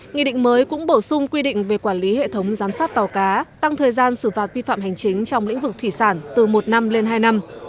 nghị định mới cũng bổ sung quy định về quản lý hệ thống giám sát tàu cá tăng thời gian xử phạt vi phạm hành chính trong lĩnh vực thủy sản từ một năm lên hai năm